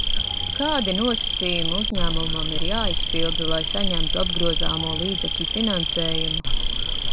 Kādi nosacījumi uzņēmumam ir jāizpilda, lai saņemtu apgrozāmo līdzekļu finansējumu?